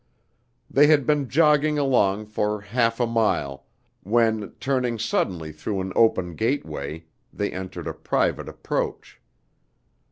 They had been jogging along for half a mile, when, turning suddenly through an open gateway, they entered a private approach.